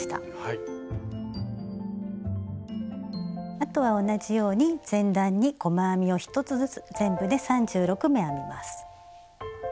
あとは同じように前段に細編みを１つずつ全部で３６目編みます。